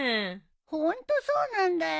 ホントそうなんだよ。